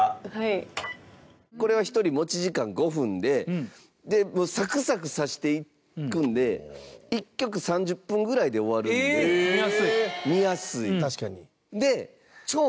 高橋：これは１人、持ち時間５分でサクサク指していくんで１局３０分ぐらいで終わるんで見やすい。